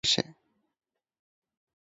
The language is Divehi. އެރަށަކީ ވެސް ޅެން ވެރިން އުފެދުނު ރަށެއް